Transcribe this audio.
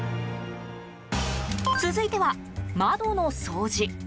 続いては、窓の掃除。